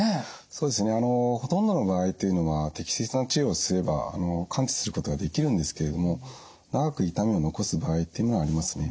そうですねあのほとんどの場合というのは適切な治療をすれば完治することができるんですけれども長く痛みを残す場合っていうのはありますね。